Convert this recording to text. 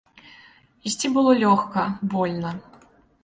Ісці было лёгка, вольна.